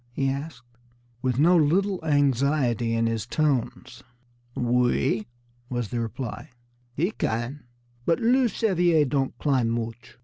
he asked, with no little anxiety in his tones. "Oui," was the reply, "he can; but loup cerviers don' climb mooch."